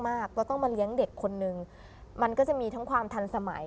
ก็ต้องมาเลี้ยงเด็กคนนึงมันก็จะมีทั้งความทันสมัย